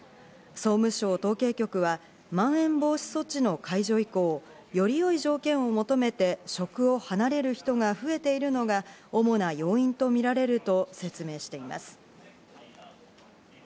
総務省統計局は、まん延防止措置の解除以降、より良い条件を求めて、職を離れる人が増えているのが主な要因とみられると説明しています。